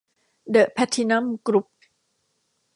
เดอะ แพลทินัม กรุ๊ป